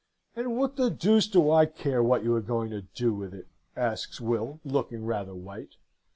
"'And what the deuce do I care what you are going to do with it?' asks Will, looking rather white.